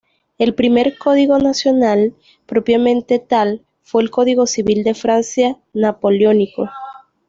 El primer código nacional, propiamente tal, fue el Código Civil de Francia, napoleónico.